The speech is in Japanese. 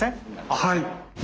はい！